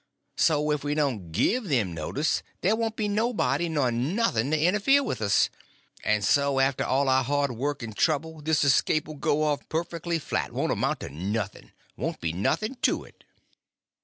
So if we don't give them notice there won't be nobody nor nothing to interfere with us, and so after all our hard work and trouble this escape 'll go off perfectly flat; won't amount to nothing—won't be nothing to it."